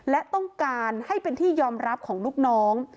และต้องการให้เป็นที่ยอมรับของลูกน้อง